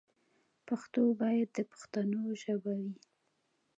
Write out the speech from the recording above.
پښتو باید د پښتنو ژبه وي.